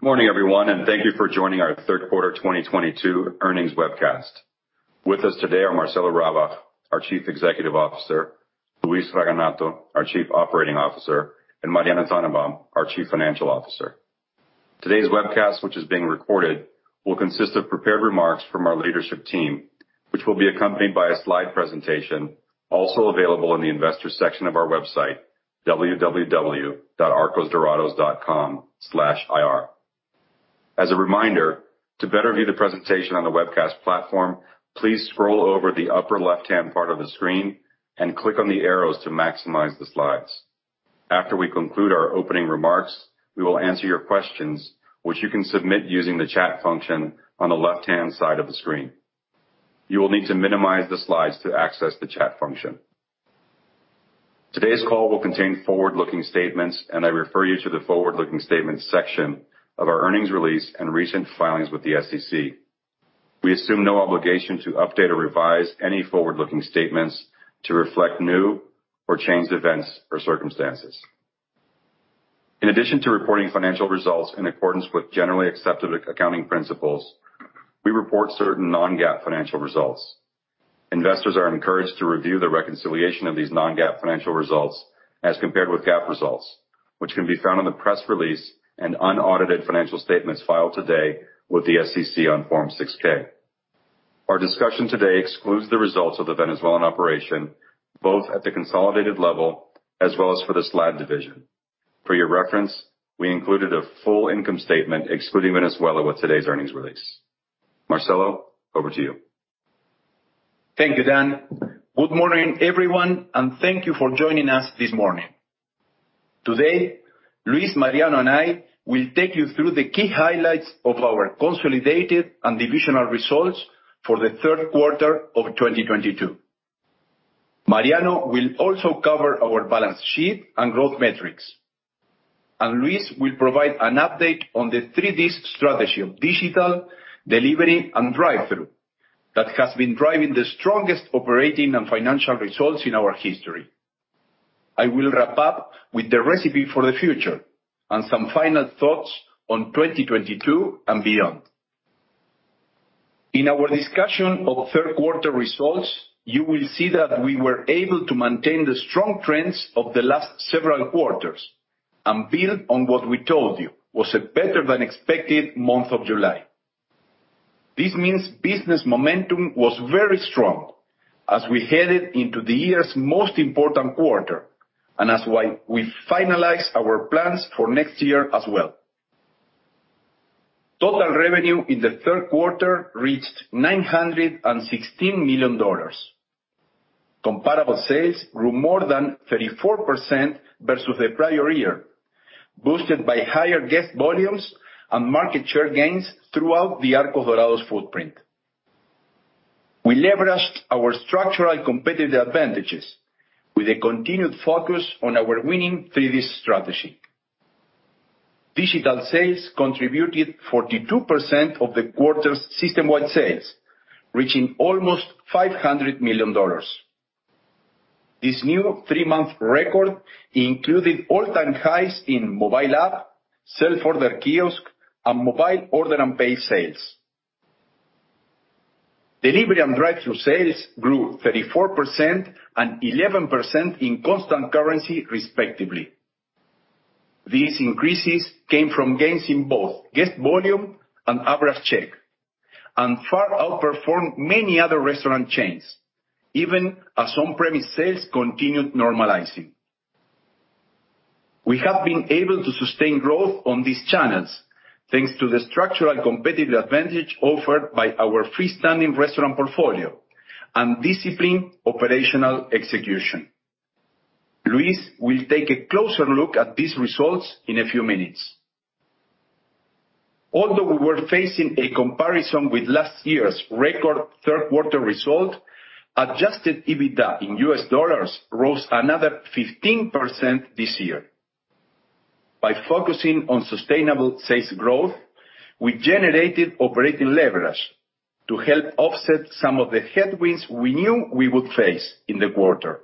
Good morning, everyone, and thank you for joining our third quarter 2022 earnings webcast. With us today are Marcelo Rabach, our Chief Executive Officer, Luis Raganato, our Chief Operating Officer, and Mariano Tannenbaum, our Chief Financial Officer. Today's webcast, which is being recorded, will consist of prepared remarks from our leadership team, which will be accompanied by a slide presentation, also available in the investor section of our website www.arcosdorados.com/ir. As a reminder, to better view the presentation on the webcast platform, please scroll over the upper left-hand part of the screen and click on the arrows to maximize the slides. After we conclude our opening remarks, we will answer your questions which you can submit using the chat function on the left-hand side of the screen. You will need to minimize the slides to access the chat function. Today's call will contain forward-looking statements, and I refer you to the forward-looking statements section of our earnings release and recent filings with the SEC. We assume no obligation to update or revise any forward-looking statements to reflect new or changed events or circumstances. In addition to reporting financial results in accordance with generally accepted accounting principles, we report certain non-GAAP financial results. Investors are encouraged to review the reconciliation of these non-GAAP financial results as compared with GAAP results, which can be found in the press release and unaudited financial statements filed today with the SEC on Form 6-K. Our discussion today excludes the results of the Venezuelan operation, both at the consolidated level as well as for the SLAD division. For your reference, we included a full income statement excluding Venezuela with today's earnings release. Marcelo, over to you. Thank you, Dan. Good morning, everyone, and thank you for joining us this morning. Today, Luis, Mariano, and I will take you through the key highlights of our consolidated and divisional results for the third quarter of 2022. Mariano will also cover our balance sheet and growth metrics, and Luis will provide an update on the Three Ds strategy of digital, delivery, and drive-thru that has been driving the strongest operating and financial results in our history. I will wrap up with the Recipe for the Future and some final thoughts on 2022 and beyond. In our discussion of third quarter results, you will see that we were able to maintain the strong trends of the last several quarters and build on what we told you was a better than expected month of July. This means business momentum was very strong as we headed into the year's most important quarter, and that's why we finalized our plans for next year as well. Total revenue in the third quarter reached $916 million. Comparable sales grew more than 34% versus the prior year, boosted by higher guest volumes and market share gains throughout the Arcos Dorados footprint. We leveraged our structural competitive advantages with a continued focus on our winning Three Ds strategy. Digital sales contributed 42% of the quarter's system-wide sales, reaching almost $500 million. This new three-month record included all-time highs in mobile app, self-order kiosk, and Mobile Order & Pay sales. Delivery and drive-thru sales grew 34% and 11% in constant currency, respectively. These increases came from gains in both guest volume and average check, and far outperformed many other restaurant chains, even as on-premise sales continued normalizing. We have been able to sustain growth on these channels, thanks to the structural competitive advantage offered by our freestanding restaurant portfolio and disciplined operational execution. Luis will take a closer look at these results in a few minutes. Although we were facing a comparison with last year's record third quarter result, Adjusted EBITDA in US dollars rose another 15% this year. By focusing on sustainable sales growth, we generated operating leverage to help offset some of the headwinds we knew we would face in the quarter.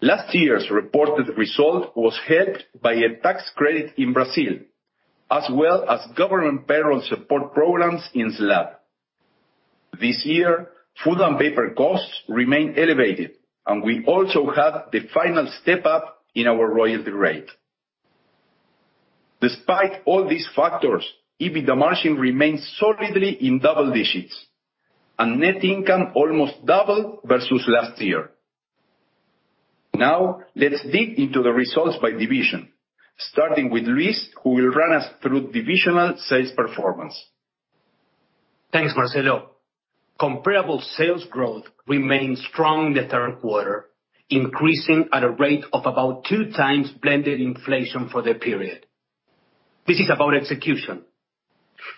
Last year's reported result was helped by a tax credit in Brazil, as well as government payroll support programs in SLAD. This year, food and paper costs remain elevated, and we also have the final step up in our royalty rate. Despite all these factors, EBITDA margin remains solidly in double digits, and net income almost doubled versus last year. Now let's dig into the results by division, starting with Luis, who will run us through divisional sales performance. Thanks, Marcelo. Comparable sales growth remained strong in the third quarter, increasing at a rate of about two times blended inflation for the period. This is about execution.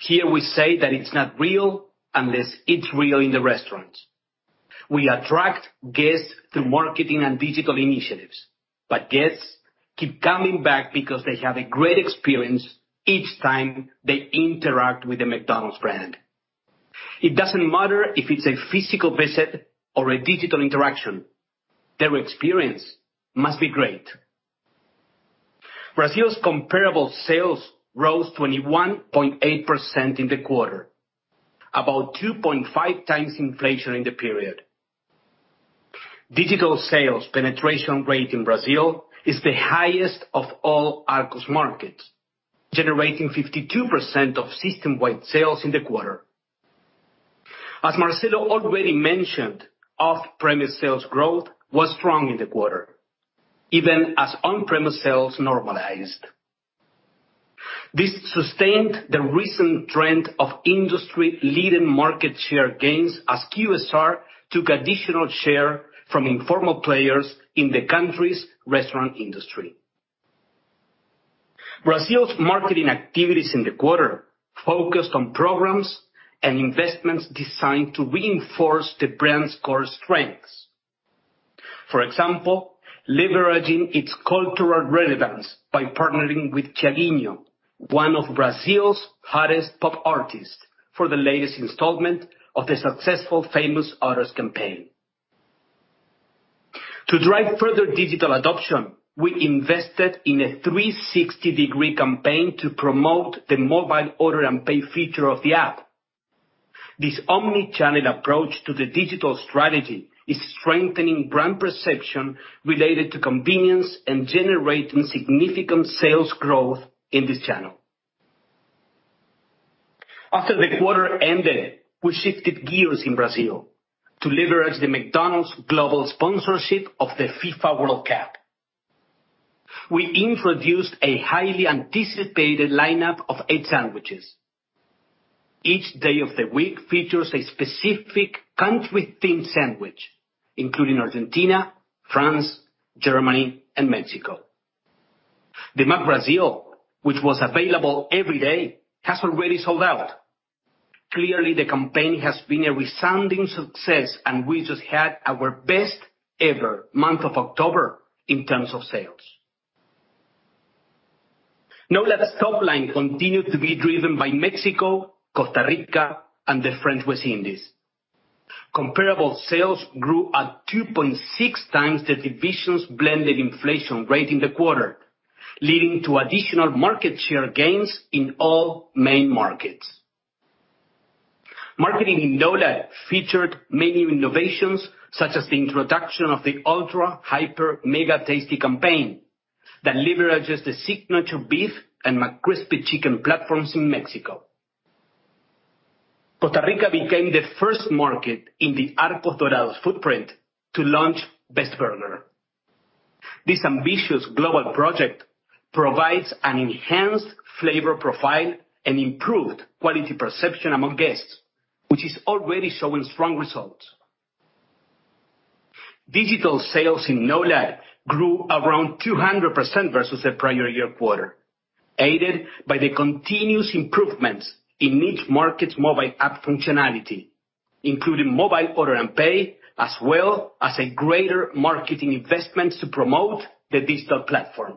Here we say that it's not real unless it's real in the restaurant. We attract guests through marketing and digital initiatives, but guests keep coming back because they have a great experience each time they interact with the McDonald's brand. It doesn't matter if it's a physical visit or a digital interaction, their experience must be great. Brazil's comparable sales rose 21.8% in the quarter, about 2.5 times inflation in the period. Digital sales penetration rate in Brazil is the highest of all Arcos markets, generating 52% of system-wide sales in the quarter. As Marcelo already mentioned, off-premise sales growth was strong in the quarter, even as on-premise sales normalized. This sustained the recent trend of industry-leading market share gains as QSR took additional share from informal players in the country's restaurant industry. Brazil's marketing activities in the quarter focused on programs and investments designed to reinforce the brand's core strengths. For example, leveraging its cultural relevance by partnering with Thiaguinho, one of Brazil's hottest pop artists, for the latest installment of the successful Famous Orders campaign. To drive further digital adoption, we invested in a 360-degree campaign to promote the Mobile Order & Pay feature of the app. This omni-channel approach to the digital strategy is strengthening brand perception related to convenience and generating significant sales growth in this channel. After the quarter ended, we shifted gears in Brazil to leverage the McDonald's global sponsorship of the FIFA World Cup. We introduced a highly anticipated lineup of eight sandwiches. Each day of the week features a specific country-themed sandwich, including Argentina, France, Germany, and Mexico. The McBrasil, which was available every day, has already sold out. Clearly, the campaign has been a resounding success, and we just had our best ever month of October in terms of sales. NOLAD's top line continued to be driven by Mexico, Costa Rica, and the French West Indies. Comparable sales grew at 2.6 times the division's blended inflation rate in the quarter, leading to additional market share gains in all main markets. Marketing in NOLAD featured many innovations, such as the introduction of the Ultra Mega Hyper Tasty campaign that leverages the signature beef and McCrispy chicken platforms in Mexico. Costa Rica became the first market in the Arcos Dorados footprint to launch Best Burger. This ambitious global project provides an enhanced flavor profile and improved quality perception among guests, which is already showing strong results. Digital sales in NOLAD grew around 200% versus the prior year quarter, aided by the continuous improvements in each market's mobile app functionality, including Mobile Order & Pay, as well as a greater marketing investment to promote the digital platform.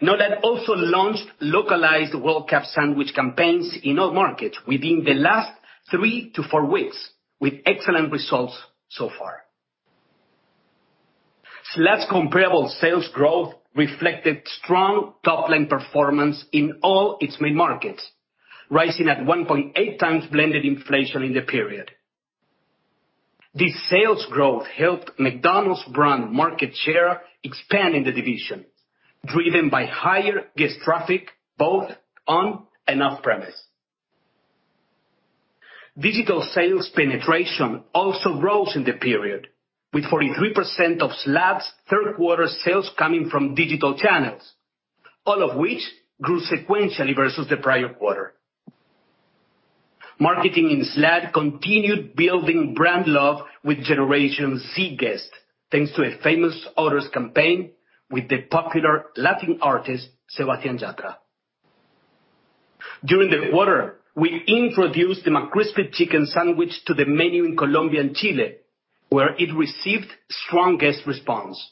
NOLAD also launched localized World Cup sandwich campaigns in all markets within the last 3-4 weeks, with excellent results so far. SLAD's comparable sales growth reflected strong top-line performance in all its main markets, rising at 1.8 times blended inflation in the period. This sales growth helped McDonald's brand market share expand in the division, driven by higher guest traffic, both on and off premise. Digital sales penetration also rose in the period, with 43% of SLAD's third quarter sales coming from digital channels, all of which grew sequentially versus the prior quarter. Marketing in SLAD continued building brand love with Generation Z guests, thanks to a Famous Orders campaign with the popular Latin artist, Sebastián Yatra. During the quarter, we introduced the McCrispy chicken sandwich to the menu in Colombia and Chile, where it received strong guest response.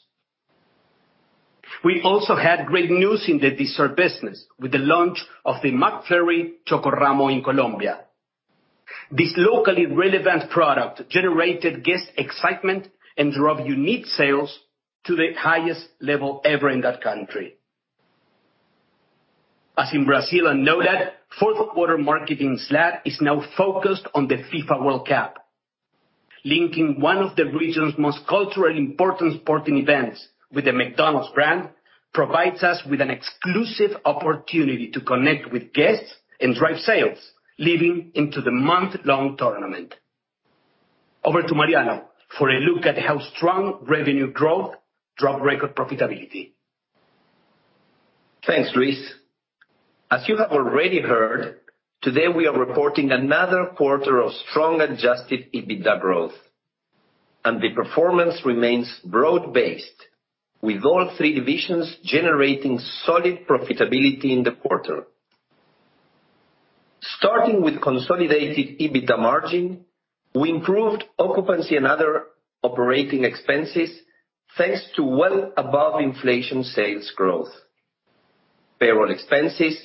We also had great news in the dessert business with the launch of the McFlurry Chocoramo in Colombia. This locally relevant product generated guest excitement and drove unique sales to the highest level ever in that country. As in Brazil and NOLAD, fourth quarter marketing in SLAD is now focused on the FIFA World Cup. Linking one of the region's most culturally important sporting events with the McDonald's brand provides us with an exclusive opportunity to connect with guests and drive sales leading into the month-long tournament. Over to Mariano for a look at how strong revenue growth drove record profitability. Thanks, Luis. As you have already heard, today we are reporting another quarter of strong adjusted EBITDA growth, and the performance remains broad-based, with all three divisions generating solid profitability in the quarter. Starting with consolidated EBITDA margin, we improved occupancy and other operating expenses, thanks to well above inflation sales growth. Payroll expenses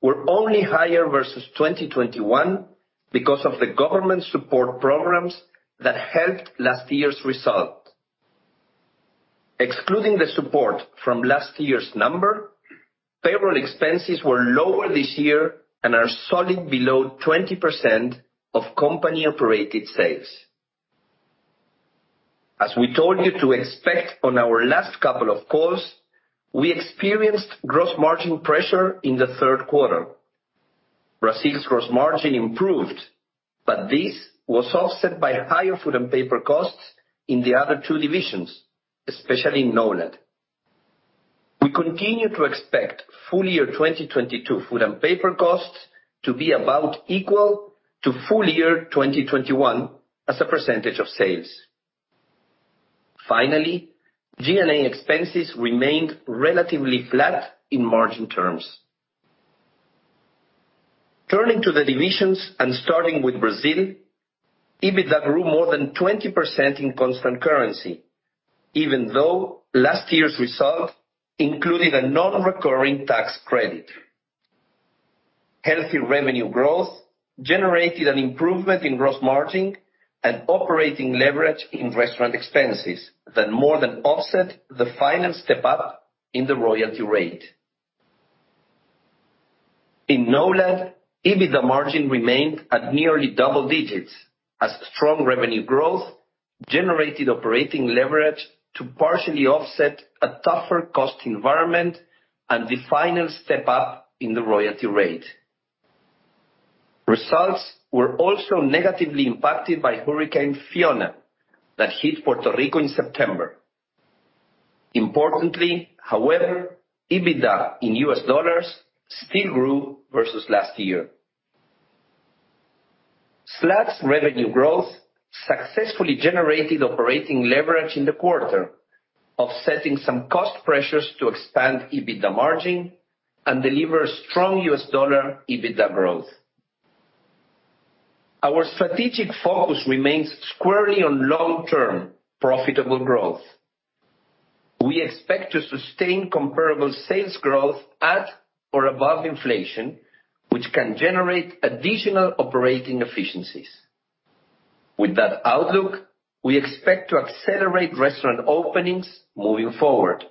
were only higher versus 2021 because of the government support programs that helped last year's result. Excluding the support from last year's number, payroll expenses were lower this year and are solid below 20% of company-operated sales. As we told you to expect on our last couple of calls, we experienced gross margin pressure in the third quarter. Brazil's gross margin improved, but this was offset by higher food and paper costs in the other two divisions, especially in NOLAD. We continue to expect full year 2022 food and paper costs to be about equal to full year 2021 as a percentage of sales. Finally, G&A expenses remained relatively flat in margin terms. Turning to the divisions and starting with Brazil, EBITDA grew more than 20% in constant currency, even though last year's result included a non-recurring tax credit. Healthy revenue growth generated an improvement in gross margin and operating leverage in restaurant expenses that more than offset the final step up in the royalty rate. In NOLAD, EBITDA margin remained at nearly double digits as strong revenue growth generated operating leverage to partially offset a tougher cost environment and the final step up in the royalty rate. Results were also negatively impacted by Hurricane Fiona that hit Puerto Rico in September. Importantly, however, EBITDA in US dollars still grew versus last year. SLAD's revenue growth successfully generated operating leverage in the quarter, offsetting some cost pressures to expand EBITDA margin and deliver strong US dollar EBITDA growth. Our strategic focus remains squarely on long-term profitable growth. We expect to sustain comparable sales growth at or above inflation, which can generate additional operating efficiencies. With that outlook, we expect to accelerate restaurant openings moving forward.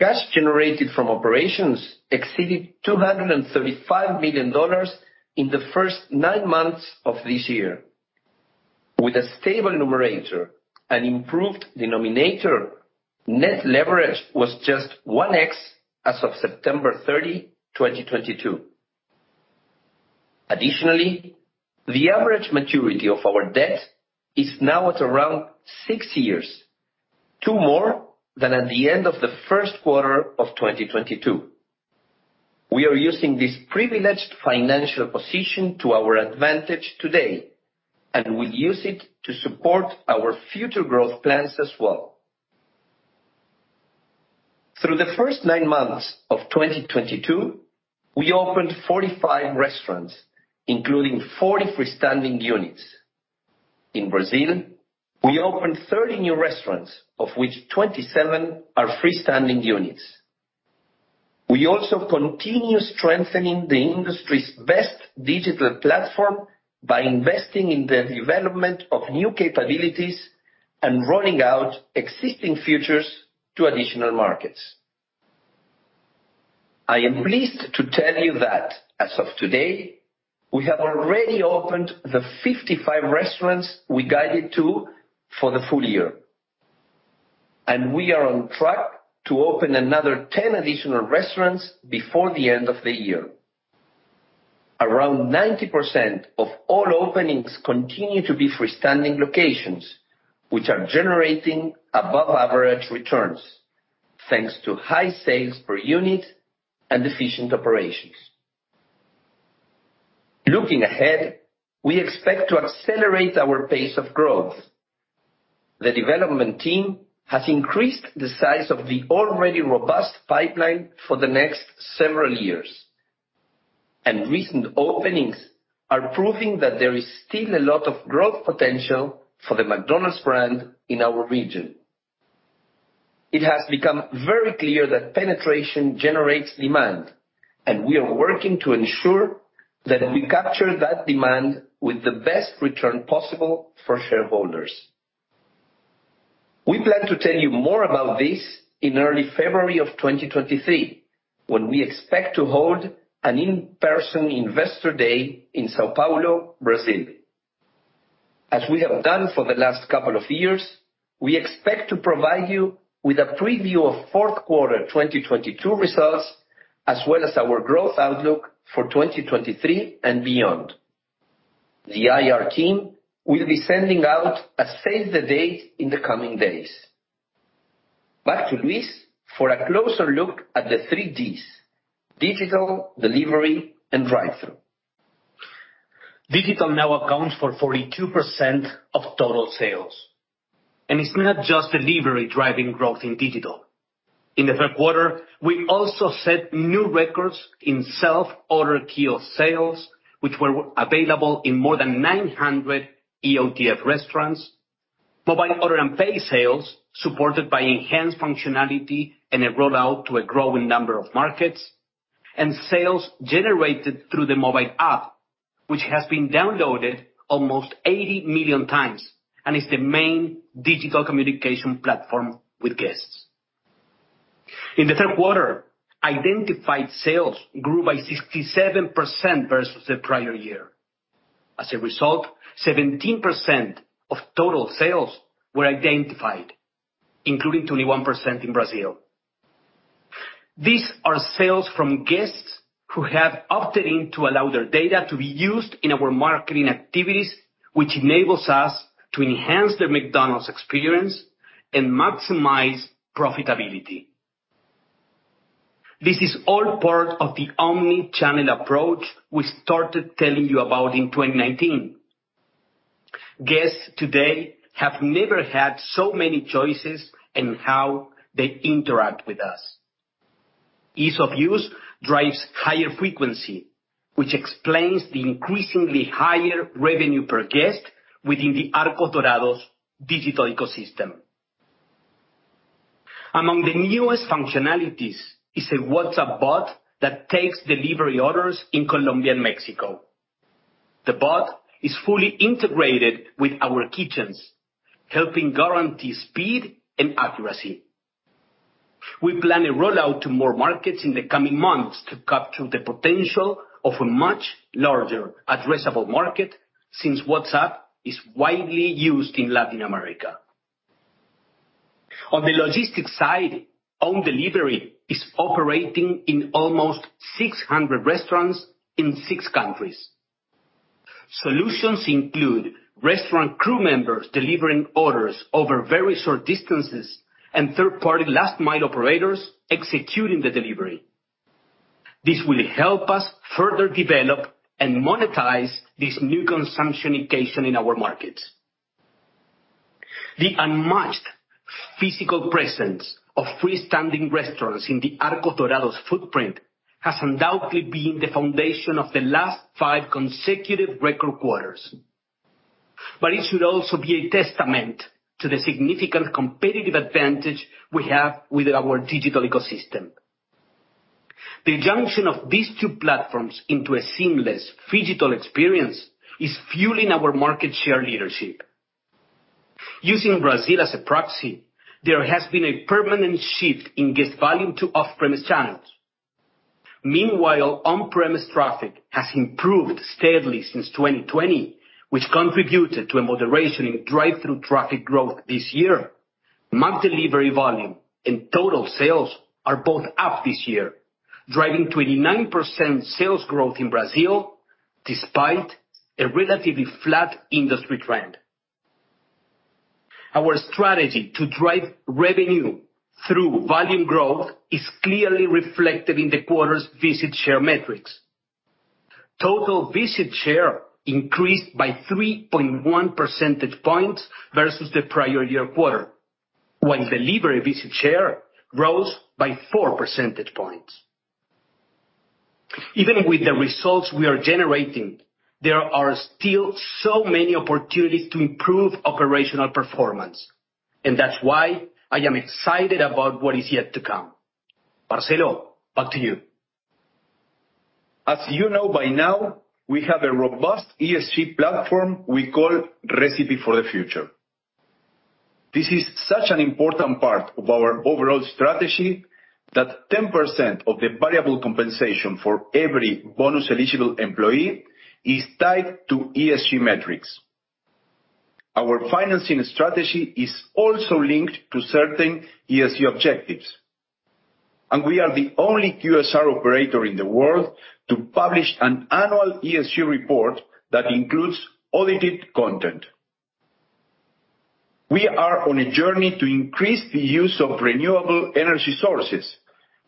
Cash generated from operations exceeded $235 million in the first nine months of this year. With a stable numerator and improved denominator, net leverage was just 1x as of September 30, 2022. Additionally, the average maturity of our debt is now at around six years, two more than at the end of the first quarter of 2022. We are using this privileged financial position to our advantage today, and we use it to support our future growth plans as well. Through the first nine months of 2022, we opened 45 restaurants, including 40 freestanding units. In Brazil, we opened 30 new restaurants, of which 27 are freestanding units. We also continue strengthening the industry's best digital platform by investing in the development of new capabilities and rolling out existing features to additional markets. I am pleased to tell you that as of today, we have already opened the 55 restaurants we guided to for the full year, and we are on track to open another 10 additional restaurants before the end of the year. Around 90% of all openings continue to be freestanding locations, which are generating above average returns, thanks to high sales per unit and efficient operations. Looking ahead, we expect to accelerate our pace of growth. The development team has increased the size of the already robust pipeline for the next several years, and recent openings are proving that there is still a lot of growth potential for the McDonald's brand in our region. It has become very clear that penetration generates demand, and we are working to ensure that we capture that demand with the best return possible for shareholders. We plan to tell you more about this in early February of 2023, when we expect to hold an in-person investor day in São Paulo, Brazil. As we have done for the last couple of years, we expect to provide you with a preview of fourth quarter 2022 results, as well as our growth outlook for 2023 and beyond. The IR team will be sending out a save the date in the coming days. Back to Luis for a closer look at the Three Ds, Digital, Delivery, and Drive-thru. Digital now accounts for 42% of total sales, and it's not just delivery driving growth in digital. In the third quarter, we also set new records in self-order kiosk sales, which were available in more than 900 EOTF restaurants. Mobile Order & Pay sales supported by enhanced functionality and a rollout to a growing number of markets, and sales generated through the mobile app, which has been downloaded almost 80 million times and is the main digital communication platform with guests. In the third quarter, identified sales grew by 67% versus the prior year. As a result, 17% of total sales were identified, including 21% in Brazil. These are sales from guests who have opted in to allow their data to be used in our marketing activities, which enables us to enhance their McDonald's experience and maximize profitability. This is all part of the omni-channel approach we started telling you about in 2019. Guests today have never had so many choices in how they interact with us. Ease of use drives higher frequency, which explains the increasingly higher revenue per guest within the Arcos Dorados' digital ecosystem. Among the newest functionalities is a WhatsApp bot that takes delivery orders in Colombia and Mexico. The bot is fully integrated with our kitchens, helping guarantee speed and accuracy. We plan a rollout to more markets in the coming months to capture the potential of a much larger addressable market since WhatsApp is widely used in Latin America. On the logistics side, own delivery is operating in almost 600 restaurants in six countries. Solutions include restaurant crew members delivering orders over very short distances and third-party last mile operators executing the delivery. This will help us further develop and monetize this new consumption occasion in our markets. The unmatched physical presence of freestanding restaurants in the Arcos Dorados' footprint has undoubtedly been the foundation of the last five consecutive record quarters. It should also be a testament to the significant competitive advantage we have with our digital ecosystem. The junction of these two platforms into a seamless phygital experience is fueling our market share leadership. Using Brazil as a proxy, there has been a permanent shift in guest volume to off-premise channels. Meanwhile, on-premise traffic has improved steadily since 2020, which contributed to a moderation in drive-thru traffic growth this year. Monthly delivery volume and total sales are both up this year, driving 29% sales growth in Brazil despite a relatively flat industry trend. Our strategy to drive revenue through volume growth is clearly reflected in the quarter's visit share metrics. Total visit share increased by 3.1 percentage points versus the prior year quarter, while delivery visit share rose by 4 percentage points. Even with the results we are generating, there are still so many opportunities to improve operational performance, and that's why I am excited about what is yet to come. Marcelo, back to you. As you know by now, we have a robust ESG platform we call Recipe for the Future. This is such an important part of our overall strategy that 10% of the variable compensation for every bonus eligible employee is tied to ESG metrics. Our financing strategy is also linked to certain ESG objectives, and we are the only QSR operator in the world to publish an annual ESG report that includes audited content. We are on a journey to increase the use of renewable energy sources,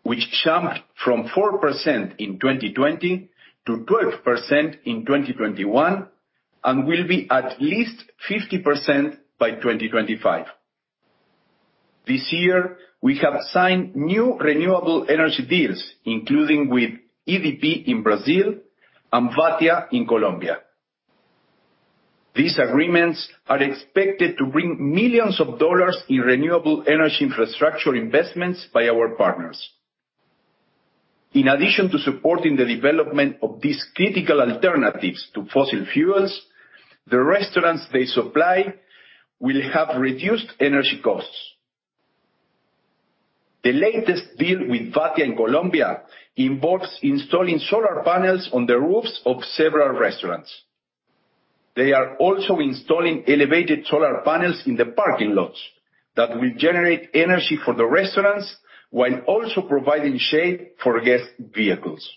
which jumped from 4% in 2020 to 12% in 2021 and will be at least 50% by 2025. This year, we have signed new renewable energy deals, including with EDP in Brazil and Vatia in Colombia. These agreements are expected to bring millions of dollars in renewable energy infrastructure investments by our partners. In addition to supporting the development of these critical alternatives to fossil fuels, the restaurants they supply will have reduced energy costs. The latest deal with Vatia in Colombia involves installing solar panels on the roofs of several restaurants. They are also installing elevated solar panels in the parking lots that will generate energy for the restaurants while also providing shade for guest vehicles.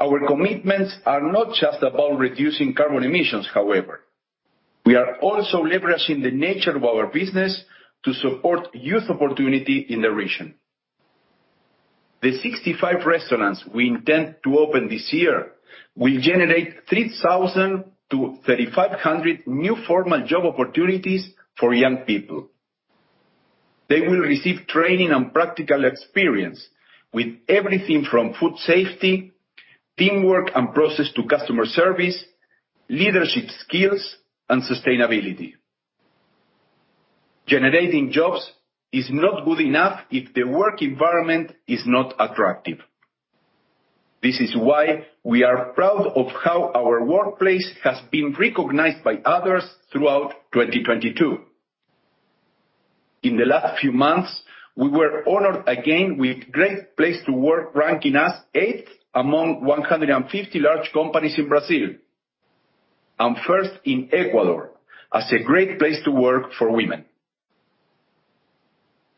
Our commitments are not just about reducing carbon emissions, however. We are also leveraging the nature of our business to support youth opportunity in the region. The 65 restaurants we intend to open this year will generate 3,000-3,500 new formal job opportunities for young people. They will receive training and practical experience with everything from food safety, teamwork and process to customer service, leadership skills and sustainability. Generating jobs is not good enough if the work environment is not attractive. This is why we are proud of how our workplace has been recognized by others throughout 2022. In the last few months, we were honored again with Great Place to Work ranking us eighth among 150 large companies in Brazil, and first in Ecuador as a great place to work for women.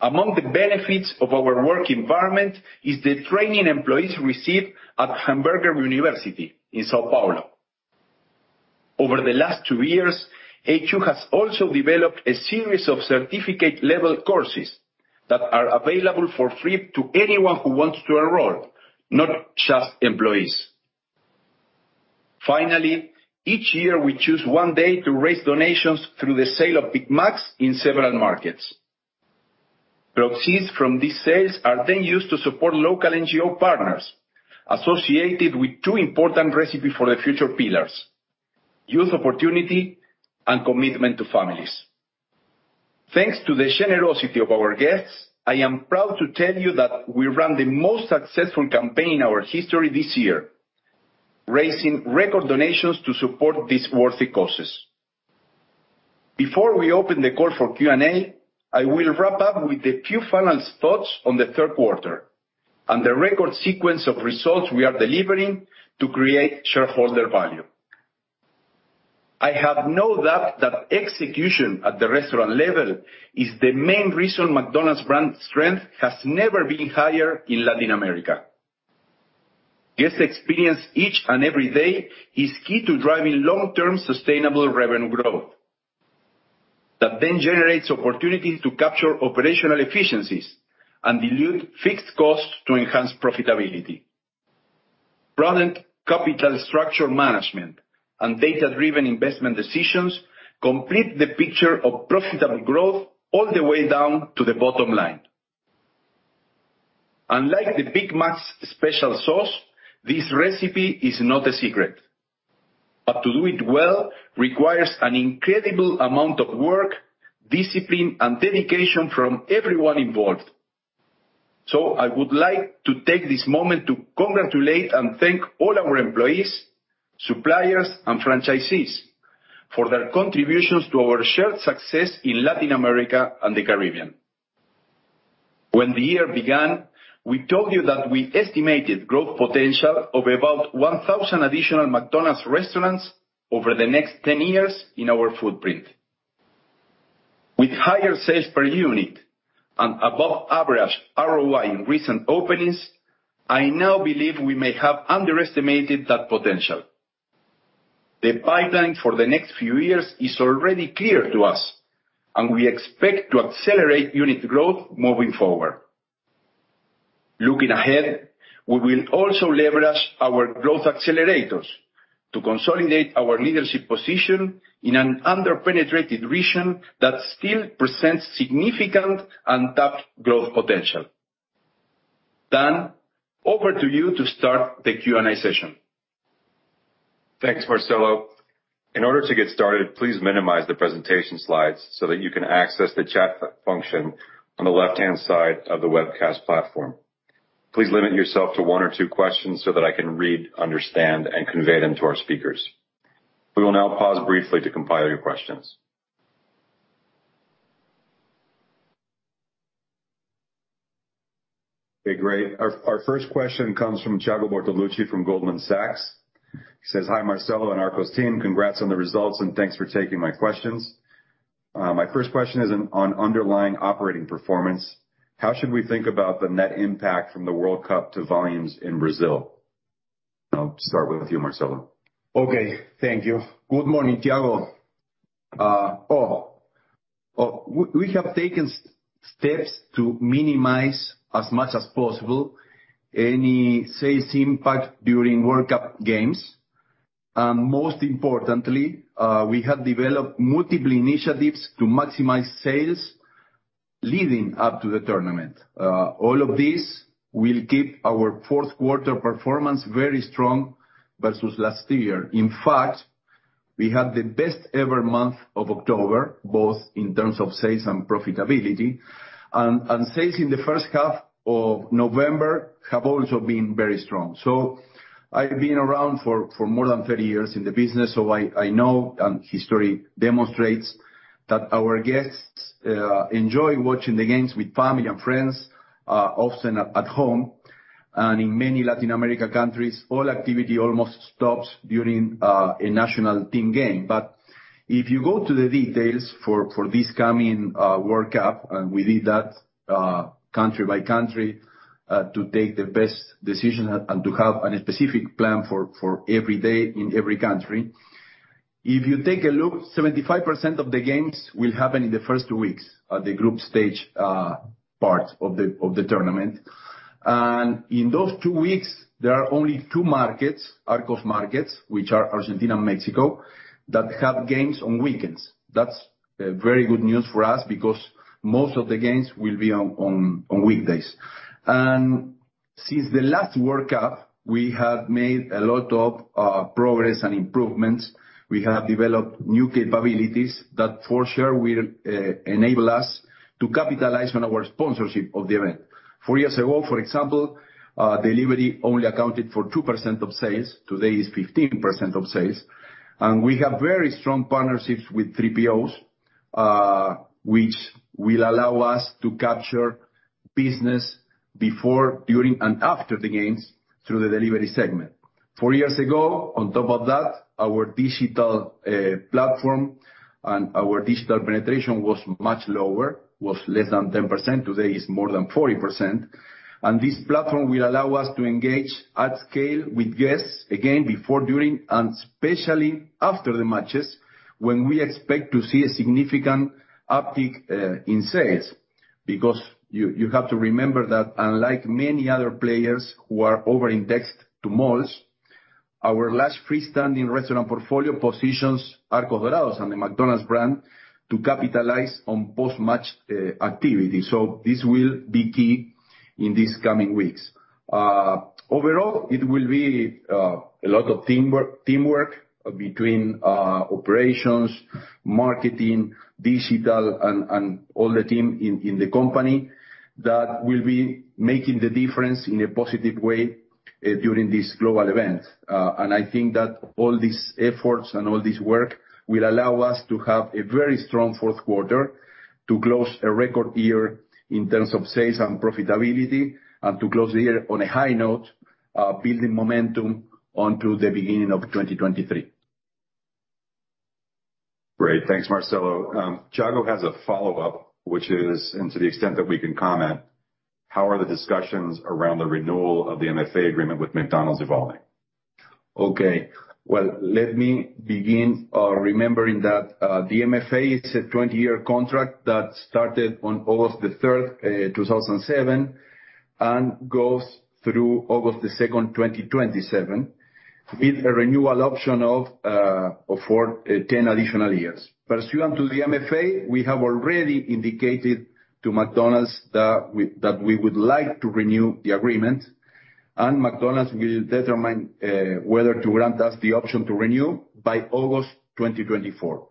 Among the benefits of our work environment is the training employees receive at Hamburger University in São Paulo. Over the last two years, HU has also developed a series of certificate level courses that are available for free to anyone who wants to enroll, not just employees. Finally, each year we choose one day to raise donations through the sale of Big Macs in several markets. Proceeds from these sales are then used to support local NGO partners associated with two important Recipe for the Future pillars, youth opportunity and commitment to families. Thanks to the generosity of our guests, I am proud to tell you that we ran the most successful campaign in our history this year, raising record donations to support these worthy causes. Before we open the call for Q&A, I will wrap up with a few final thoughts on the third quarter and the record sequence of results we are delivering to create shareholder value. I have no doubt that execution at the restaurant level is the main reason McDonald's brand strength has never been higher in Latin America. Guest experience each and every day is key to driving long-term sustainable revenue growth. That then generates opportunities to capture operational efficiencies and dilute fixed costs to enhance profitability. Prudent capital structure management and data-driven investment decisions complete the picture of profitable growth all the way down to the bottom line. Unlike the Big Mac's special sauce, this recipe is not a secret. To do it well requires an incredible amount of work, discipline, and dedication from everyone involved. I would like to take this moment to congratulate and thank all our employees, suppliers, and franchisees for their contributions to our shared success in Latin America and the Caribbean. When the year began, we told you that we estimated growth potential of about 1,000 additional McDonald's restaurants over the next 10 years in our footprint. With higher sales per unit and above average ROI in recent openings, I now believe we may have underestimated that potential. The pipeline for the next few years is already clear to us, and we expect to accelerate unit growth moving forward. Looking ahead, we will also leverage our growth accelerators to consolidate our leadership position in an under-penetrated region that still presents significant untapped growth potential. Dan, over to you to start the Q&A session. Thanks, Marcelo. In order to get started, please minimize the presentation slides so that you can access the chat function on the left-hand side of the webcast platform. Please limit yourself to one or two questions so that I can read, understand, and convey them to our speakers. We will now pause briefly to compile your questions. Okay, great. Our first question comes from Thiago Bortoluci from Goldman Sachs. He says, "Hi, Marcelo and Arcos' team. Congrats on the results, and thanks for taking my questions. My first question is on underlying operating performance. How should we think about the net impact from the World Cup to volumes in Brazil?" I'll start with you, Marcelo. Okay. Thank you. Good morning, Thiago. We have taken steps to minimize as much as possible any sales impact during World Cup games. Most importantly, we have developed multiple initiatives to maximize sales leading up to the tournament. All of this will keep our fourth quarter performance very strong versus last year. In fact, we had the best ever month of October, both in terms of sales and profitability. Sales in the first half of November have also been very strong. I've been around for more than 30 years in the business, so I know, and history demonstrates, that our guests enjoy watching the games with family and friends, often at home. In many Latin America countries, all activity almost stops during a national team game. If you go to the details for this coming World Cup, and we did that country by country to take the best decision and to have a specific plan for every day in every country. If you take a look, 75% of the games will happen in the first two weeks of the group stage, part of the tournament. In those two weeks, there are only two markets, Arcos Dorados markets, which are Argentina and Mexico, that have games on weekends. That's very good news for us because most of the games will be on weekdays. Since the last World Cup, we have made a lot of progress and improvements. We have developed new capabilities that for sure will enable us to capitalize on our sponsorship of the event. Four years ago, for example, delivery only accounted for 2% of sales. Today, it's 15% of sales. We have very strong partnerships with 3PO, which will allow us to capture business before, during, and after the games through the delivery segment. Four years ago, on top of that, our digital platform and our digital penetration was much lower, was less than 10%. Today, it's more than 40%. This platform will allow us to engage at scale with guests, again, before, during, and especially after the matches, when we expect to see a significant uptick in sales. Because you have to remember that unlike many other players who are over-indexed to malls, our large freestanding restaurant portfolio positions Arcos Dorados and the McDonald's brand to capitalize on post-match activity. This will be key in these coming weeks. Overall, it will be a lot of teamwork between operations, marketing, digital, and all the team in the company that will be making the difference in a positive way during this global event. I think that all these efforts and all this work will allow us to have a very strong fourth quarter to close a record year in terms of sales and profitability, and to close the year on a high note, building momentum onto the beginning of 2023. Great. Thanks, Marcelo. Thiago has a follow-up, which is, and to the extent that we can comment, how are the discussions around the renewal of the MFA agreement with McDonald's evolving? Okay. Well, let me begin remembering that the MFA is a 20-year contract that started on August 3, 2007, and goes through August 2, 2027, with a renewal option of 10 additional years. Pursuant to the MFA, we have already indicated to McDonald's that we would like to renew the agreement, and McDonald's will determine whether to grant us the option to renew by August 2024.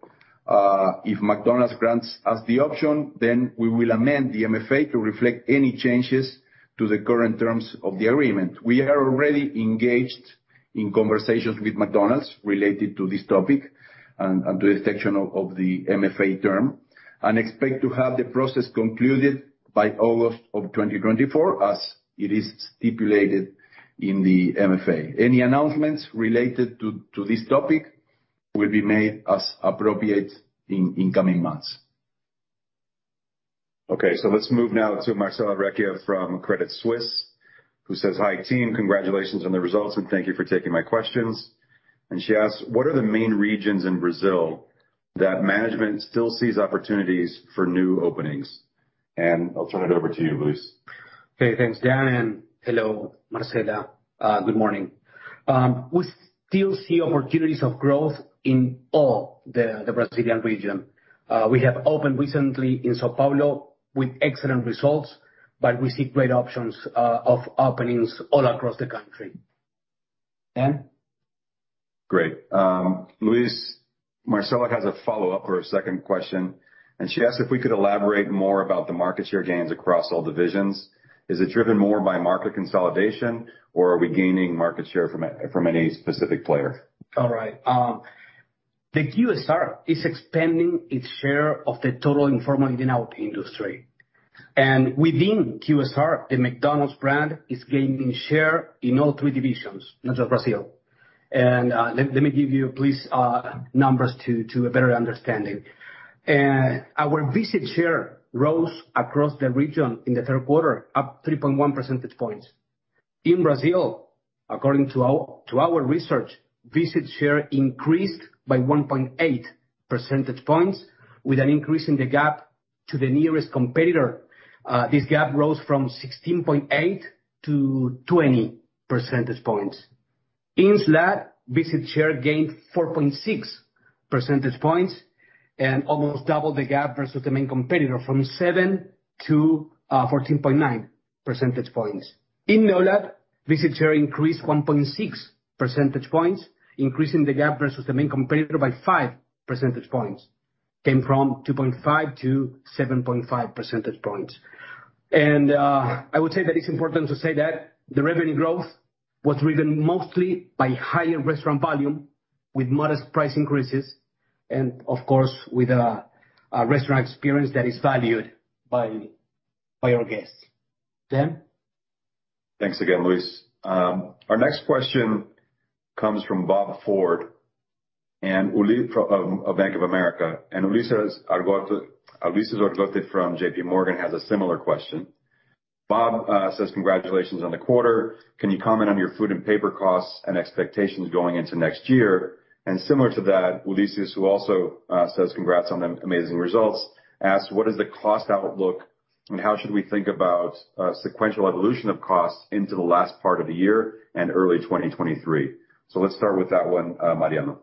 If McDonald's grants us the option, we will amend the MFA to reflect any changes to the current terms of the agreement. We are already engaged in conversations with McDonald's related to this topic and the extension of the MFA term, and expect to have the process concluded by August of 2024, as it is stipulated in the MFA. Any announcements related to this topic will be made as appropriate in coming months. Okay, let's move now to Marcella Recchia from Credit Suisse, who says, "Hi, team. Congratulations on the results, and thank you for taking my questions." She asks, "What are the main regions in Brazil that management still sees opportunities for new openings?" I'll turn it over to you, Luis. Okay. Thanks, Dan, and hello, Marcella. Good morning. We still see opportunities of growth in all the Brazilian region. We have opened recently in São Paulo with excellent results, but we see great options of openings all across the country. Dan? Great. Luis, Marcella has a follow-up for a second question, and she asked if we could elaborate more about the market share gains across all divisions. Is it driven more by market consolidation, or are we gaining market share from any specific player? All right. The QSR is expanding its share of the total informal eat-out industry. Within QSR, the McDonald's brand is gaining share in all three divisions, not just Brazil. Let me give you please numbers to a better understanding. Our visit share rose across the region in the third quarter, up 3.1 percentage points. In Brazil, according to our research, visit share increased by 1.8 percentage points, with an increase in the gap to the nearest competitor. This gap rose from 16.8 to 20 percentage points. In SLAD, visit share gained 4.6 percentage points and almost doubled the gap versus the main competitor, from 7 to 14.9 percentage points. In NOLAD, visit share increased 1.6 percentage points, increasing the gap versus the main competitor by 5 percentage points, came from 2.5 to 7.5 percentage points. I would say that it's important to say that the revenue growth was driven mostly by higher restaurant volume with modest price increases and, of course, with a restaurant experience that is valued by our guests. Dan? Thanks again, Luis. Our next question comes from Bob Ford of Bank of America. Ulises Argote from JP Morgan has a similar question. Bob says congratulations on the quarter. Can you comment on your food and paper costs and expectations going into next year? Similar to that, Ulises, who also says congrats on the amazing results, asks, what is the cost outlook, and how should we think about sequential evolution of costs into the last part of the year and early 2023? Let's start with that one, Mariano.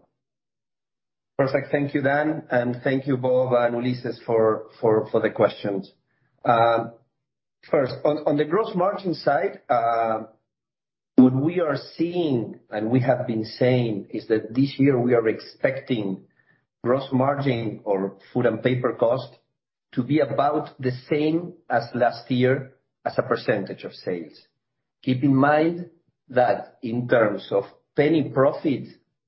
Perfect. Thank you, Dan. Thank you, Bob and Ulises for the questions. First on the gross margin side, what we are seeing and we have been saying is that this year we are expecting gross margin or food and paper cost to be about the same as last year as a percentage of sales. Keep in mind that in terms of penny profit,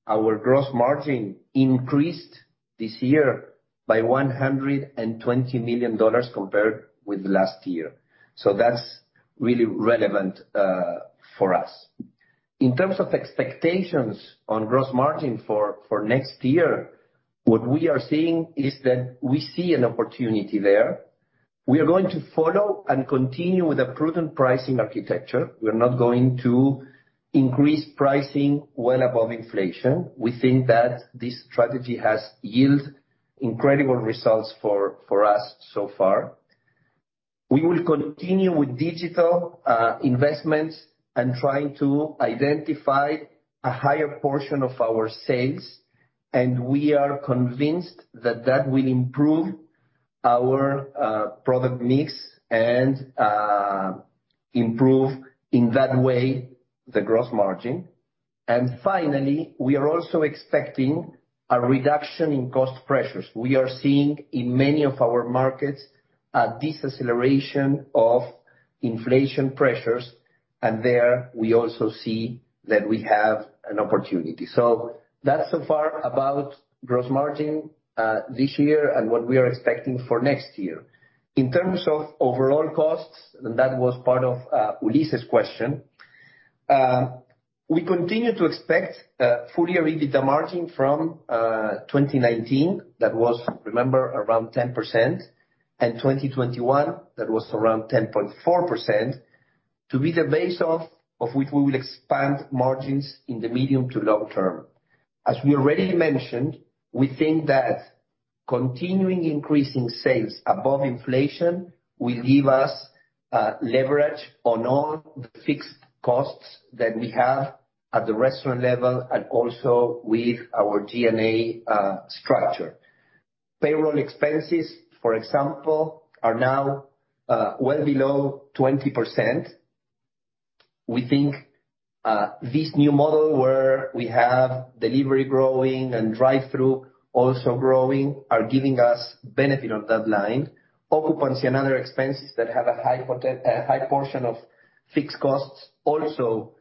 our gross margin increased this year by $120 million compared with last year. That's really relevant for us. In terms of expectations on gross margin for next year, what we are seeing is that we see an opportunity there. We are going to follow and continue with a prudent pricing architecture. We're not going to increase pricing well above inflation. We think that this strategy has yield incredible results for us so far. We will continue with digital investments and trying to identify a higher portion of our sales, and we are convinced that that will improve our product mix and improve, in that way, the gross margin. Finally, we are also expecting a reduction in cost pressures. We are seeing in many of our markets a deceleration of inflation pressures, and there we also see that we have an opportunity. That's so far about gross margin this year and what we are expecting for next year. In terms of overall costs, and that was part of Ulises' question, we continue to expect full-year EBITDA margin from 2019, that was, remember, around 10%, and 2021, that was around 10.4%, to be the base off of which we will expand margins in the medium to long term. As we already mentioned, we think that continuing increasing sales above inflation will give us leverage on all the fixed costs that we have at the restaurant level and also with our G&A structure. Payroll expenses, for example, are now well below 20%. We think this new model where we have delivery growing and drive-through also growing are giving us benefit on that line. Occupancy and other expenses that have a high portion of fixed costs also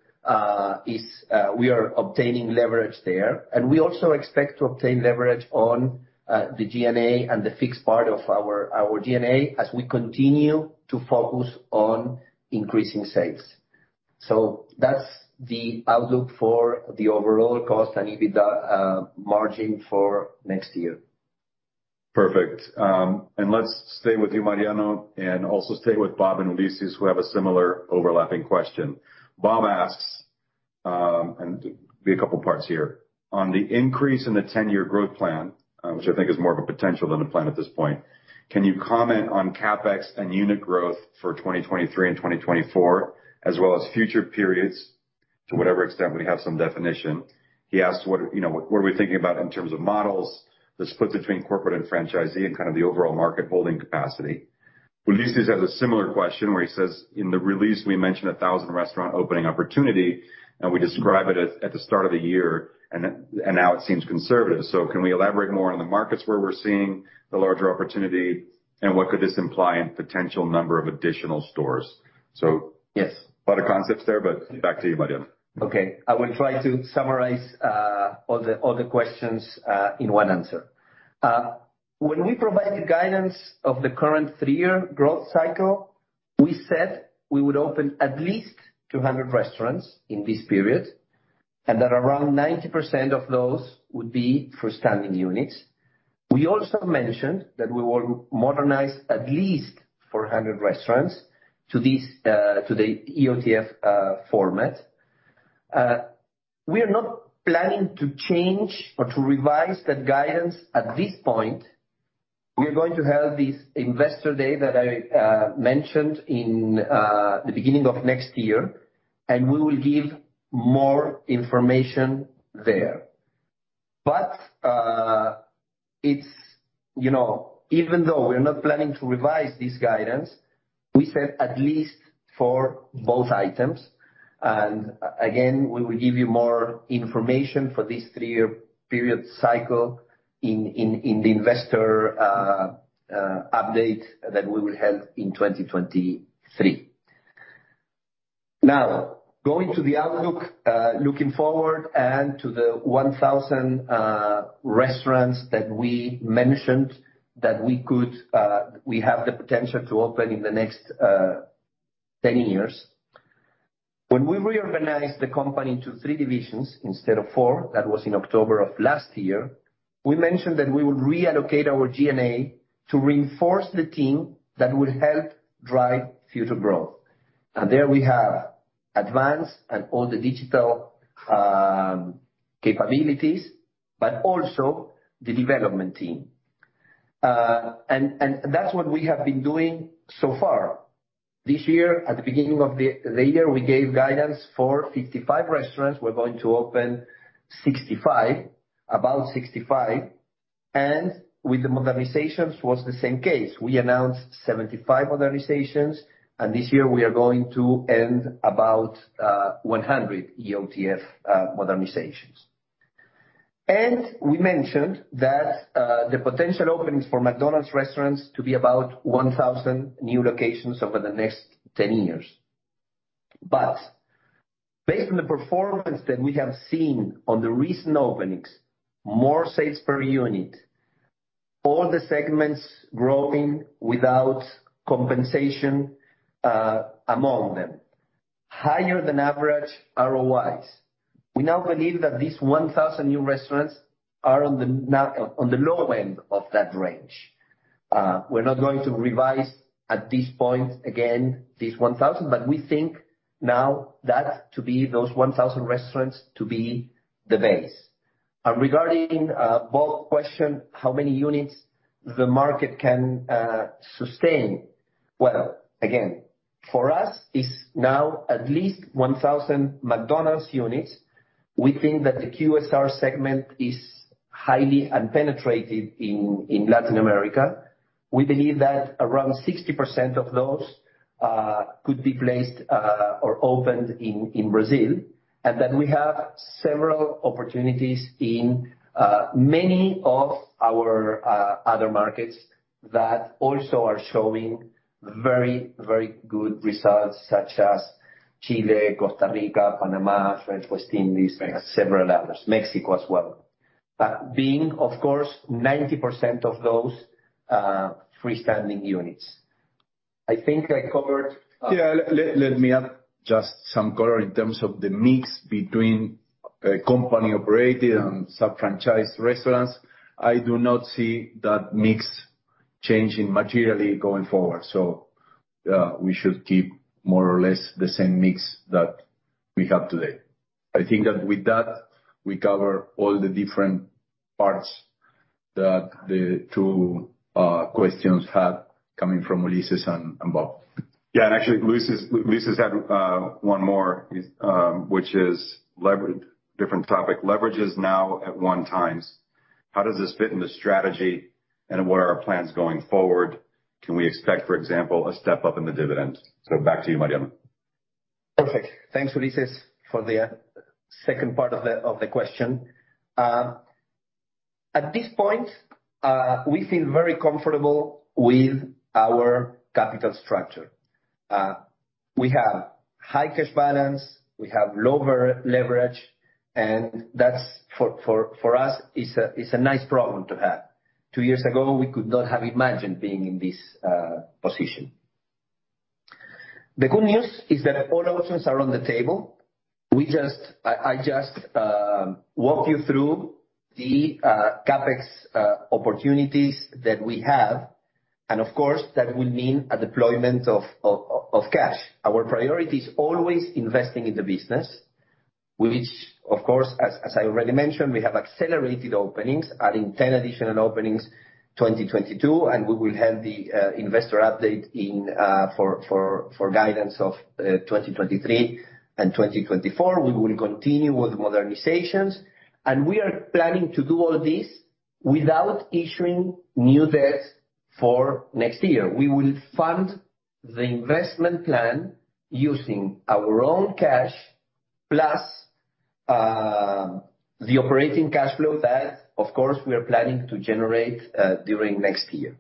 is we are obtaining leverage there. We also expect to obtain leverage on the G&A and the fixed part of our G&A as we continue to focus on increasing sales. That's the outlook for the overall cost and EBITDA margin for next year. Perfect. And let's stay with you, Mariano, and also stay with Bob and Ulises, who have a similar overlapping question. Bob asks, and it'll be a couple of parts here. On the increase in the ten-year growth plan, which I think is more of a potential than a plan at this point, can you comment on CapEx and unit growth for 2023 and 2024, as well as future periods, to whatever extent we have some definition? He asks, what, you know, what are we thinking about in terms of models that split between corporate and franchisee and kind of the overall market holding capacity? Ulises has a similar question where he says, in the release, we mentioned a 1,000 restaurant opening opportunity, and we describe it at the start of the year, and now it seems conservative. Can we elaborate more on the markets where we're seeing the larger opportunity and what could this imply in potential number of additional stores? Yes. lot of concepts there, but back to you, Mariano. Okay. I will try to summarize all the questions in one answer. When we provide the guidance of the current three-year growth cycle, we said we would open at least 200 restaurants in this period, and that around 90% of those would be for standing units. We also mentioned that we will modernize at least 400 restaurants to the EOTF format. We are not planning to change or to revise that guidance at this point. We are going to have this investor day that I mentioned in the beginning of next year, and we will give more information there. It's you know, even though we're not planning to revise this guidance, we said at least for both items. Again, we will give you more information for this three-year period cycle in the investor update that we will have in 2023. Now, going to the outlook, looking forward, and to the 1,000 restaurants that we mentioned that we could, we have the potential to open in the next 10 years. When we reorganized the company into three divisions instead of four, that was in October of last year, we mentioned that we would reallocate our G&A to reinforce the team that would help drive future growth. There we have advanced and all the digital capabilities, but also the development team. And that's what we have been doing so far. This year, at the beginning of the year, we gave guidance for 55 restaurants. We're going to open 65. With the modernizations was the same case. We announced 75 modernizations, and this year we are going to end about 100 EOTF modernizations. We mentioned that the potential openings for McDonald's restaurants to be about 1,000 new locations over the next 10 years. Based on the performance that we have seen on the recent openings, more sales per unit, all the segments growing without compensation, among them, higher than average ROIs. We now believe that these 1,000 new restaurants are now on the lower end of that range. We're not going to revise at this point, again, these 1,000, but we think now that to be those 1,000 restaurants to be the base. Regarding Bob's question, how many units the market can sustain, well, again, for us, it's now at least 1,000 McDonald's units. We think that the QSR segment is highly unpenetrated in Latin America. We believe that around 60% of those could be placed or opened in Brazil, and that we have several opportunities in many of our other markets that also are showing very, very good results such as Chile, Costa Rica, Panama, French West Indies, and several others, Mexico as well. Being, of course, 90% of those freestanding units. I think I covered. Yeah. Let me add just some color in terms of the mix between company-operated and sub-franchise restaurants. I do not see that mix changing materially going forward, so we should keep more or less the same mix that we have today. I think that with that, we cover all the different parts that the two questions had coming from Ulises and Bob. Actually, Ulises had one more, which is different topic. Leverage is now at one times. How does this fit into strategy, and what are our plans going forward? Can we expect, for example, a step up in the dividend? Back to you, Mariano. Perfect. Thanks, Ulises, for the second part of the question. At this point, we feel very comfortable with our capital structure. We have high cash balance, we have lower leverage, and that's for us is a nice problem to have. Two years ago, we could not have imagined being in this position. The good news is that all options are on the table. We just walked you through the CapEx opportunities that we have, and of course, that will mean a deployment of cash. Our priority is always investing in the business, which of course, as I already mentioned, we have accelerated openings, adding 10 additional openings, 2022, and we will have the investor update in for guidance of 2023 and 2024. We will continue with modernizations. We are planning to do all this without issuing new debts for next year. We will fund the investment plan using our own cash, plus the operating cash flow that, of course, we are planning to generate during next year.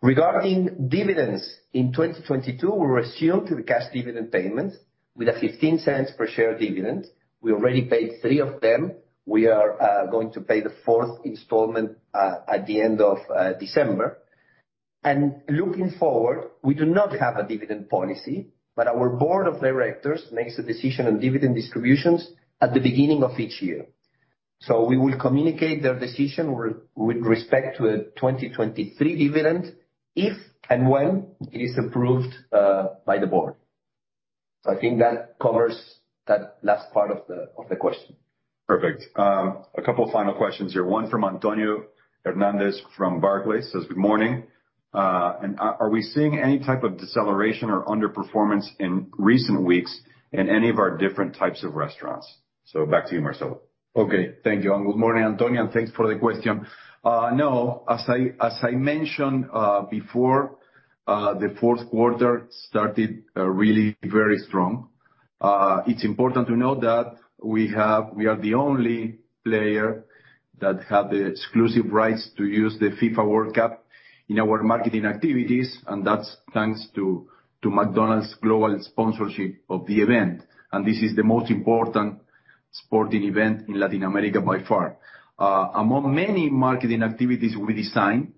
Regarding dividends, in 2022, we resumed the cash dividend payments with a $0.15 per share dividend. We already paid three of them. We are going to pay the fourth installment at the end of December. Looking forward, we do not have a dividend policy, but our board of directors makes a decision on dividend distributions at the beginning of each year. We will communicate their decision with respect to a 2023 dividend, if and when it is approved by the board. I think that covers that last part of the question. Perfect. A couple final questions here. One from Antonio Hernández from Barclays says, good morning. Are we seeing any type of deceleration or underperformance in recent weeks in any of our different types of restaurants? Back to you, Marcelo. Okay. Thank you. Good morning, Antonio, and thanks for the question. No, as I mentioned, before, the fourth quarter started really very strong. It's important to note that we are the only player that have the exclusive rights to use the FIFA World Cup in our marketing activities, and that's thanks to McDonald's global sponsorship of the event. This is the most important sporting event in Latin America by far. Among many marketing activities we designed,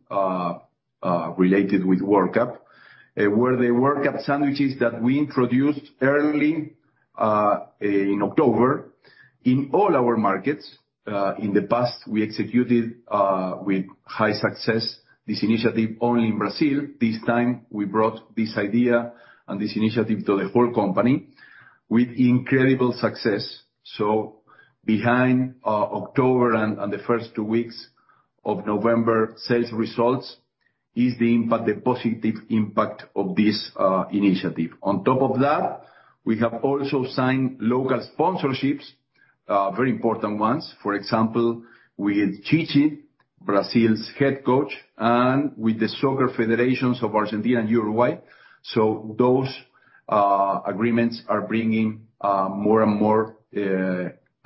related with World Cup, were the World Cup sandwiches that we introduced early, in October in all our markets. In the past, we executed, with high success this initiative only in Brazil. This time we brought this idea and this initiative to the whole company with incredible success. Behind October and the first two weeks of November sales results is the impact, the positive impact of this initiative. On top of that, we have also signed local sponsorships, very important ones. For example, with Tite, Brazil's head coach, and with the soccer federations of Argentina and Uruguay. Those agreements are bringing more and more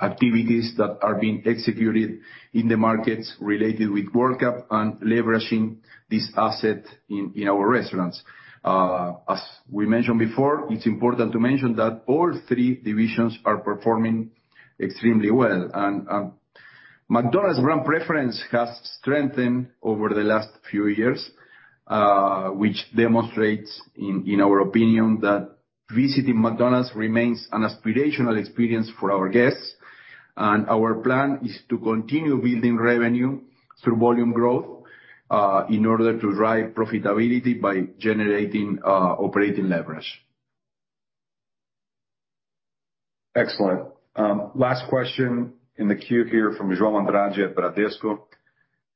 activities that are being executed in the markets related with World Cup and leveraging this asset in our restaurants. As we mentioned before, it's important to mention that all three divisions are performing extremely well. McDonald's brand preference has strengthened over the last few years, which demonstrates in our opinion that visiting McDonald's remains an aspirational experience for our guests. Our plan is to continue building revenue through volume growth, in order to drive profitability by generating operating leverage. Excellent. Last question in the queue here from João Andrade at Bradesco,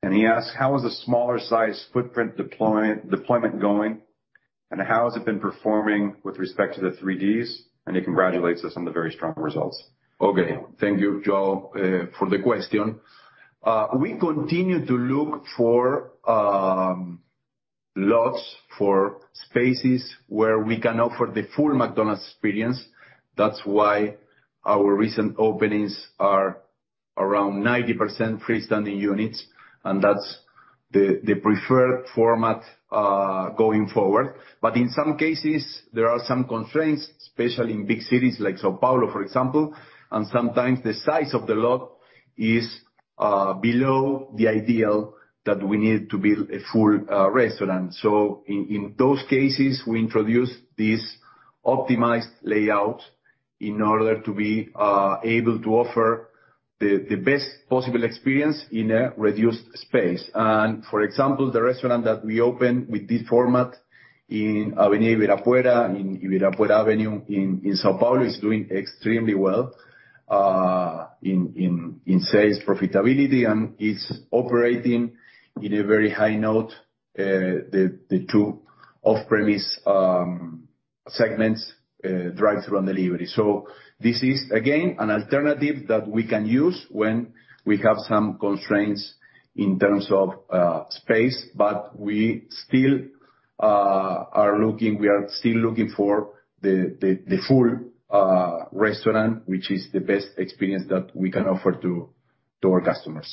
and he asks, "How is the smaller size footprint deployment going, and how has it been performing with respect to the three Ds?" He congratulates us on the very strong results. Okay. Thank you, João, for the question. We continue to look for lots for spaces where we can offer the full McDonald's experience. That's why our recent openings are around 90% freestanding units, and that's the preferred format going forward. In some cases, there are some constraints, especially in big cities like São Paulo, for example, and sometimes the size of the lot is below the ideal that we need to build a full restaurant. In those cases, we introduce this optimized layout in order to be able to offer the best possible experience in a reduced space. For example, the restaurant that we opened with this format in Avenida Ibirapuera, in Ibirapuera Avenue in São Paulo, is doing extremely well in sales profitability, and it's operating on a very high note, the two off-premise segments, drive-thru and delivery. This is, again, an alternative that we can use when we have some constraints in terms of space, but we still are looking. We are still looking for the full restaurant, which is the best experience that we can offer to our customers.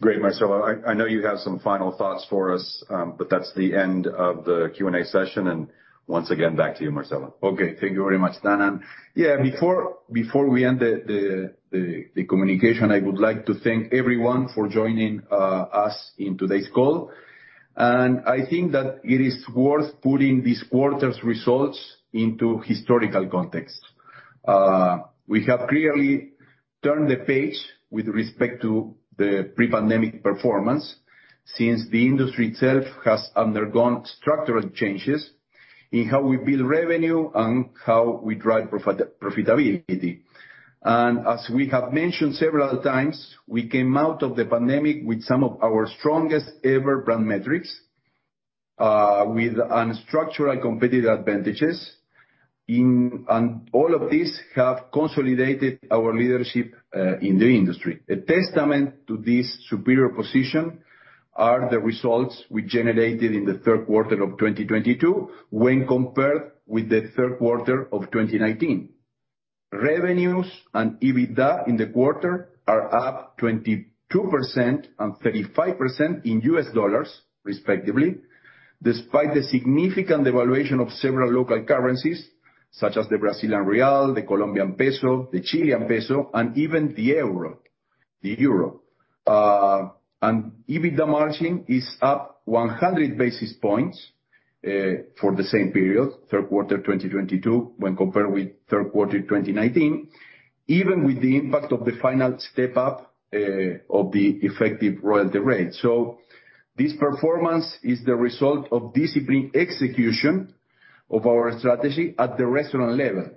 Great, Marcelo. I know you have some final thoughts for us, but that's the end of the Q&A session. Once again, back to you, Marcelo. Okay. Thank you very much, Dan. Yeah, before we end the communication, I would like to thank everyone for joining us in today's call. I think that it is worth putting this quarter's results into historical context. We have clearly turned the page with respect to the pre-pandemic performance since the industry itself has undergone structural changes in how we build revenue and how we drive profitability. As we have mentioned several times, we came out of the pandemic with some of our strongest ever brand metrics, with some structural competitive advantages. All of these have consolidated our leadership in the industry. A testament to this superior position are the results we generated in the third quarter of 2022 when compared with the third quarter of 2019. Revenues and EBITDA in the quarter are up 22% and 35% in US dollars, respectively, despite the significant devaluation of several local currencies, such as the Brazilian real, the Colombian peso, the Chilean peso, and even the euro. EBITDA margin is up 100 basis points for the same period, third quarter of 2022, when compared with third quarter of 2019, even with the impact of the final step up of the effective royalty rate. This performance is the result of disciplined execution of our strategy at the restaurant level.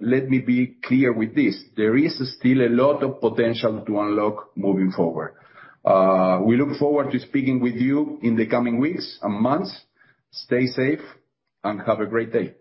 Let me be clear with this, there is still a lot of potential to unlock moving forward. We look forward to speaking with you in the coming weeks and months. Stay safe and have a great day.